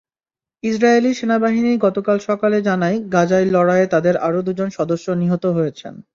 Israeli সেনাবাহিনী গতকাল সকালে জানায়, গাজায় লড়াইয়ে তাদের আরও দুজন সদস্য নিহত হয়েছেন।